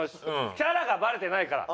キャラがバレてないから。